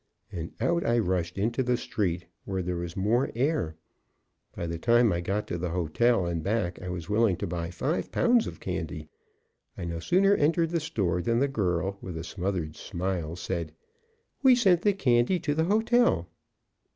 And out I rushed into the street where there was more air. By the time I got to the hotel and back I was willing to buy five pounds of candy. I no sooner entered the store than the girl, with a smothered smile, said, "We sent the candy to the hotel."